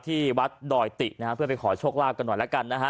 ที่วัดดอยตินะฮะเพื่อไปขอโชคลาภกันหน่อยแล้วกันนะฮะ